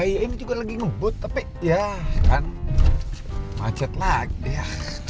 iya ini juga lagi ngebut tapi ya kan macet lagi ya